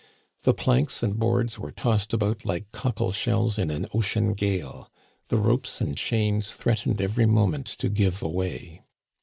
The planks and boards were tossed about like cockle shells in an ocean gale. The ropes and chains threatened every moment to give away.